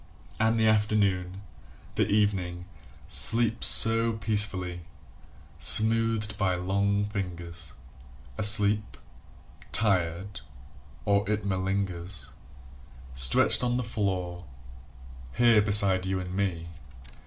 ..... And the afternoon, the evening, sleeps so peacefully! Smoothed by long fingers, Asleep .. tired .. or it malingers, Stretched on the floor, here beside you and me.